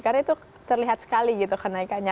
karena itu terlihat sekali kenaikannya